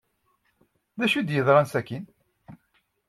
D acu i d-yeḍran sakkin?